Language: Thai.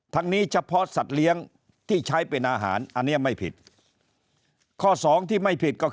ทั้งนี้เฉพาะสัตว์เลี้ยงที่ใช้เป็นอาหารอันนี้ไม่ผิด